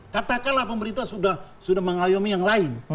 katakanlah pemerintah sudah mengayomi yang lain